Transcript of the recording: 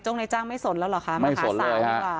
จงในจ้างไม่สนแล้วหรอคะมาหาสาวนี่แหละ